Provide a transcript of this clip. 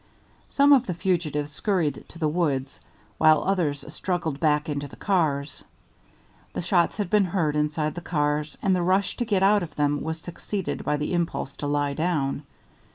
Some of the fugitives scurried to the woods, while others struggled back into the cars. The shots had been heard inside the cars, and the rush to get out of them was succeeded by the impulse to lie down.